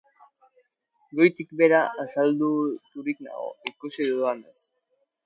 Goitik behera asaldaturik nago ikusi dudanaz.